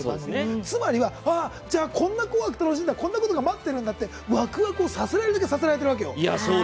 つまりはじゃあこんな「紅白」楽しいんだ待ってるんだってワクワクをさせられるだけさせられてるわけよ。